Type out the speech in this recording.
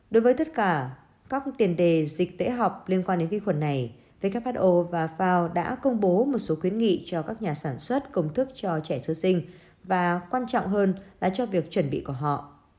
đối với tất cả các tiền đề dịch tễ học liên quan đến vi khuẩn này who và fao đã công bố một số khuyến nghị cho các nhà sản xuất công thức cho trẻ sơ sinh và quan trọng hơn là cho việc chuẩn bị của họ